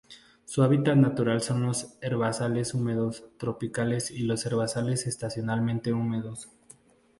Su hábitat natural son los herbazales húmedos tropicales y los herbazales estacionalmente inundables.